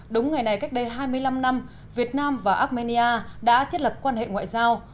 đúng ngày này cách đây hai mươi năm năm việt nam và armenia đã thiết lập quan hệ ngoại giao